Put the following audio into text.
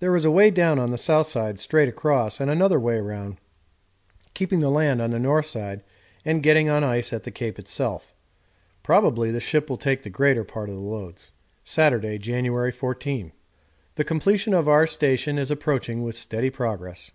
There is a way down on the south side straight across, and another way round, keeping the land on the north side and getting on ice at the Cape itself. Probably the ship will take the greater part of the loads. Saturday, January 14. The completion of our station is approaching with steady progress.